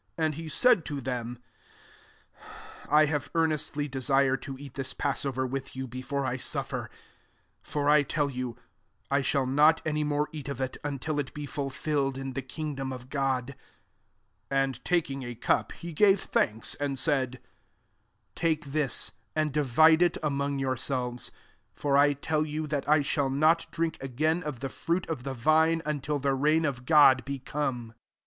15 And he said to them, " I have earnestly desired to eat this passover with you before I suf fer : 16 for I tell yoH, I shall not any more eat of it, until it be fulfilled in the kingdom of God." 17 And taking a cup, he gave thanks, and said, ((TakethiSt and divide f/ among yourselves: 18 for I tell you, th^ I shall not drink again of the fruit of the vine, until the reign of Grod lie come."